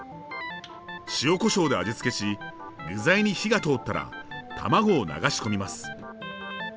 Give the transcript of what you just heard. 塩コショウで味付けし具材に火が通ったら卵を流し込みます。